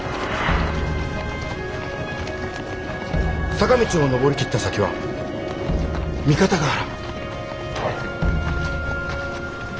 坂道を上り切った先は三方ヶ原。